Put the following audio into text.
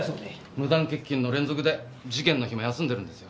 無断欠勤の連続で事件の日も休んでるんですよ。